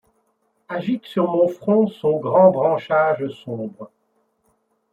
Agite sur mon front son grand branchage sombre.